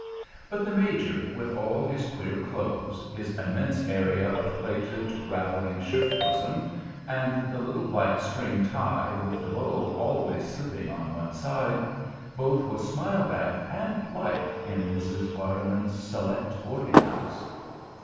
But the Major, with all his queer clothes, his immense area of plaited, raveling shirt bosom, and the little black string tie with the bow always slipping on one side, both was smiled at and liked in Mrs. Vardeman's select boarding house.